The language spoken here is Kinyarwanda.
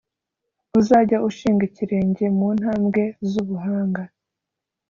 Uzajye ushinga ikirenge mu ntambwe zubuhanga,